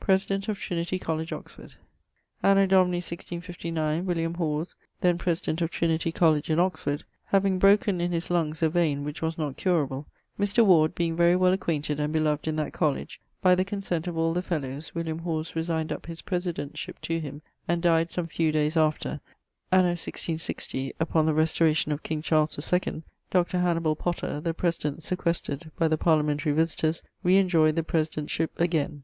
<_President of Trinity College, Oxford._> Anno Domini 165<9> William Hawes, ..., then president of Trinity Colledge in Oxford, having broken in his lunges a vein (which was not curable), Mr. Ward being very well acquainted and beloved in that colledge; by the consent of all the fellowes, William Hawes resigned up his presidentship to him, and dyed some few dayes after[CO]. Anno 1660, upon the restauration of King Charles II, Dr. Hannibal Potter (the president sequestred by the Parliamentary Visitors) re enjoyed the presidentship again.